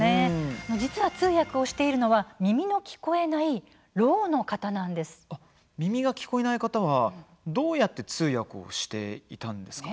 実は、通訳しているのは耳の聞こえない耳が聞こえない方がどうやって通訳をしていたんでしょうか？